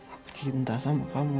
aku juga sayang sama kamu